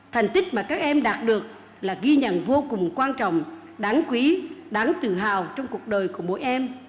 thành tích mà các em đạt được là ghi nhận vô cùng quan trọng đáng quý đáng tự hào trong cuộc đời của mỗi em